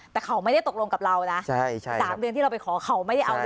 แต่เขาไม่ได้ตกลงกับเรานะ๓เดือนที่เราไปขอเขาไม่ได้เอาเลย